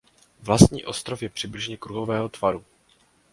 Vlastní ostrov je přibližně kruhového tvaru.